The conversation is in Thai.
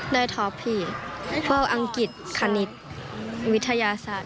ได้ท็อปพี่เพราะว่าอังกฤษคณิตวิทยาศาสตร์